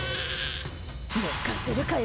抜かせるかよ！